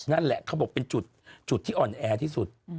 นั่นแหละเขาบอกเป็นจุดที่อ่อนแอที่สุด